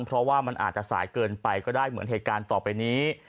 เพราะว่ามันอาจจะสายเกินไปก็ได้เหมือนเหตุการณ์ต่อไปนี้